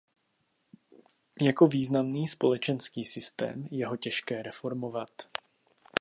Jako významný společenský systém je ho těžké reformovat.